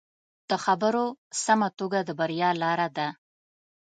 د خبرو سمه توګه د بریا لاره ده